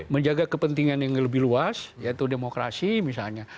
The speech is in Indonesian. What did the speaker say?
menjaga kepentingan yang lebih luas yaitu demokrasi misalnya